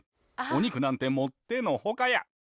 お肉なんてもってのほかや。